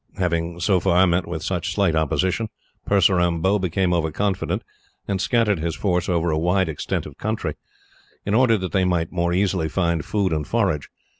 Having, so far, met with such slight opposition, Purseram Bhow became over confident, and scattered his force over a wide extent of country, in order that they might more easily find food and forage.